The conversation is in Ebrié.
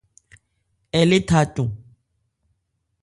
Ɛ lé tha cɔn.